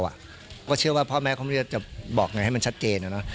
เราก็เชื่อว่าพ่อแม่เขาจะบอกอย่างไรให้มันชัดเจน